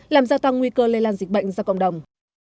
làm gia tăng nguy cơ lây lan dịch bệnh ra cộng đồng